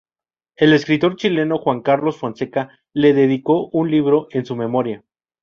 El escritor chileno Juan Carlos Fonseca le dedicó un libro en su memoria.